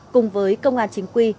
cùng với công an chính quy